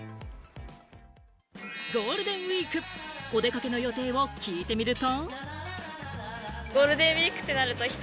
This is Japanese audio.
ゴールデンウイーク、お出かけの予定を聞いてみると。